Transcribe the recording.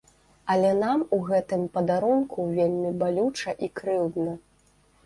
Але нам у гэтым падарунку вельмі балюча і крыўдна.